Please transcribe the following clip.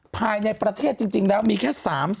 ภายในประเทศจริงแล้วมีแค่๓๐